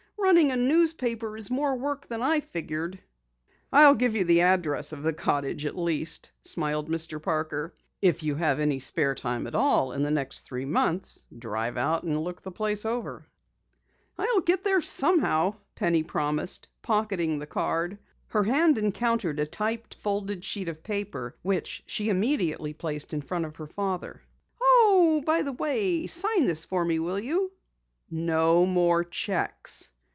Running a newspaper is more work than I figured." "I'll give you the address of the cottage, at least," smiled Mr. Parker. "If you have any spare time during the next three months drive out and look over the place." "I'll get there somehow," Penny promised, pocketing the card. Her hand encountered a typed, folded sheet of paper which she immediately placed in front of her father. "Oh, by the way, sign this for me, will you?" "No more cheques."